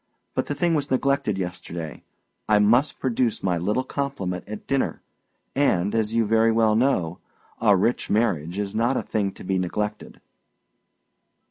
But the thing was neglected yesterday; I must produce my little compliment at dinner; and, as you very well know, a rich marriage is not a thing to be neglected."